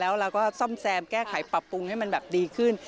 แล้วเราก็ซ่อมแซมแก้ไขปรับปรุงให้มันแบบดีขึ้น